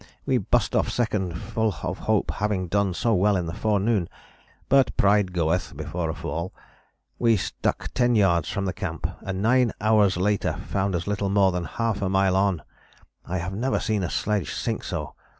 We bust off second full of hope having done so well in the forenoon, but pride goeth [before a fall]. We stuck ten yards from the camp, and nine hours later found us little more than half a mile on. I have never seen a sledge sink so.